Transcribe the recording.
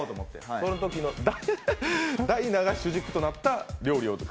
そのときのダイナが主軸となった料理を？